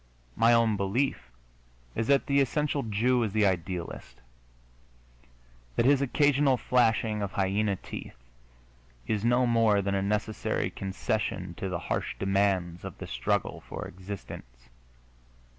My own belief is that the essential Jew is the idealist that his occasional flashing of hyena teeth is no more than a necessary concession to the harsh demands of the struggle for existence.